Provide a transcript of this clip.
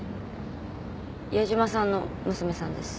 矢島さんの娘さんです。